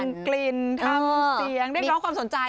ทรงกลิ่นทำเสียงได้จำลองความสนใจ